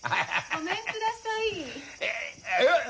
・ごめんください。え！？